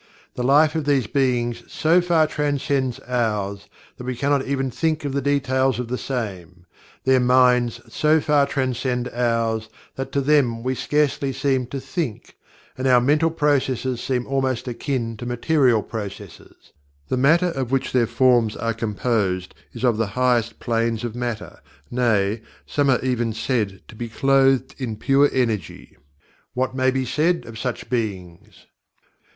The Life of these Beings so far transcends ours, that we cannot even think of the details of the same; their minds so far transcend ours, that to them we scarcely seem to "think," and our mental processes seem almost akin to material processes; the Matter of which their forms are composed is of the highest Planes of Matter, nay, some are even said to be "clothed in Pure Energy." What may be said of such Beings?